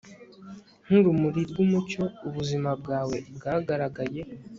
nkurumuri rwumucyo ubuzima bwawe bwagaragaye